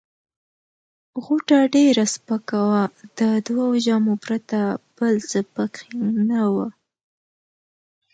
غوټه ډېره سپکه وه، د دوو جامو پرته بل څه پکښې نه وه.